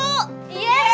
eh mas belunya